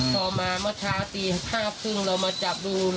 พอมาเมื่อเช้าตี๕๓๐เรามาจับดู